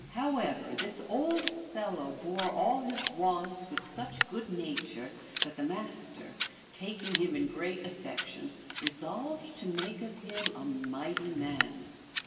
However, this old fellow bore all his wants with such good nature that the Master, taking him in great affection, resolved to make of him a mighty man.